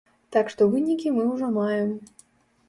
Так што вынікі мы ўжо маем.